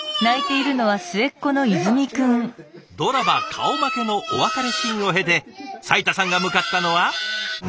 ドラマ顔負けのお別れシーンを経て斉田さんが向かったのは。